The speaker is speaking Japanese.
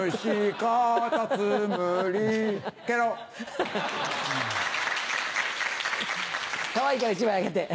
かわいいから１枚あげて。